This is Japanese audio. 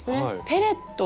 ペレット？